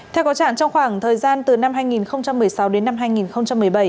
theo có trạng trong khoảng thời gian từ năm hai nghìn một mươi sáu đến năm hai nghìn một mươi bảy